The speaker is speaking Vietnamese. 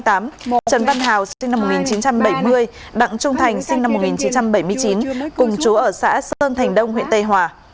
trần văn hào sinh năm một nghìn chín trăm bảy mươi đặng trung thành sinh năm một nghìn chín trăm bảy mươi chín cùng chú ở xã sơn thành đông huyện tây hòa